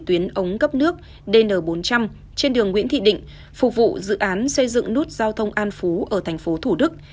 tuyến ống cấp nước dn bốn trăm linh trên đường nguyễn thị định phục vụ dự án xây dựng nút giao thông an phú ở thành phố thủ đức